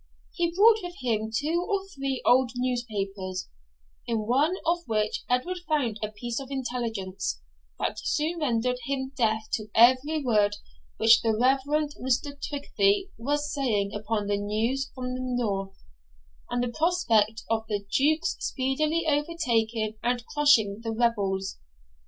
He brought with him two or three old newspapers, in one of which Edward found a piece of intelligence that soon rendered him deaf to every word which the Reverend Mr. Twigtythe was saying upon the news from the north, and the prospect of the Duke's speedily overtaking and crushing the rebels.